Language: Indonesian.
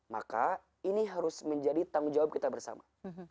maka ini harus menjadi tanggung jawab kita bersama